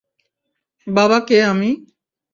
বাবা কে আমি।